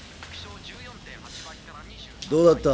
どうだった？